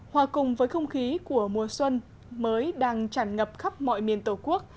hòa cùng với không khí của mùa xuân mới đang tràn ngập khắp mọi miền tổ quốc